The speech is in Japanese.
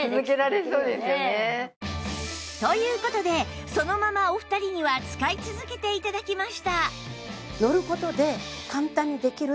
という事でそのままお二人には使い続けて頂きました